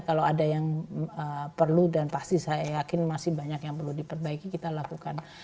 kalau ada yang perlu dan pasti saya yakin masih banyak yang perlu diperbaiki kita lakukan